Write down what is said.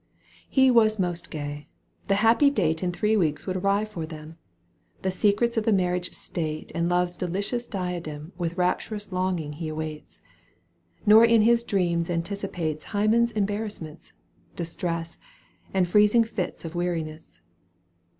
He was most gay. The happy date In three w eeks would arrive for them ; The secrets of the marriage state And love's delicious diadem With rapturous longing he awaits. Nor in his dreams anticipates Hymen's embarrassments, distress. And freezing fits of weariness.